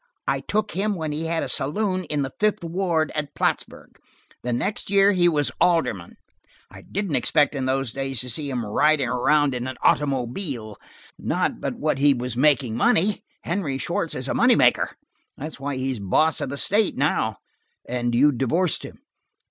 I took him when he had a saloon in the Fifth Ward, at Plattsburg. The next year he was alderman: I didn't expect in those days to see him riding around in an automobile–not but what he was making money–Henry Schwartz is a money maker. That's why he's boss of the state now." "And you divorced him?"